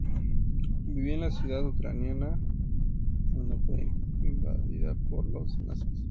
Vivía en la ciudad ucraniana de Donetsk, cuando fue invadida por los nazis.